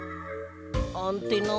アンテナ。